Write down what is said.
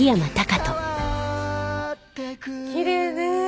きれいね。